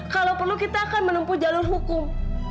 kalau perlu kita akan menempuh jalur hukum